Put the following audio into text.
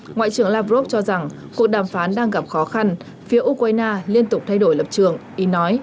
ngoại trưởng lavrov cho rằng cuộc đàm phán đang gặp khó khăn phía ukraine liên tục thay đổi lập trường ý nói có sự can thiệp của mỹ